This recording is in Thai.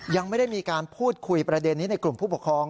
ยังไม่ได้มีการพูดคุยประเด็นนี้ในกลุ่มผู้ปกครอง